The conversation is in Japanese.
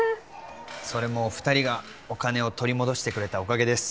それもお二人がお金を取り戻してくれたおかげです